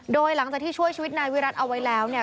โดยหลังจากที่ช่วยชีวิตนายวิรัติเอาไว้แล้วเนี่ย